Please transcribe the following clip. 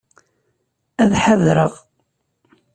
Ad ḥadreɣ.